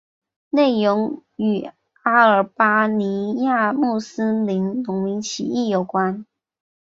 内容与阿尔巴尼亚穆斯林农民起义有关。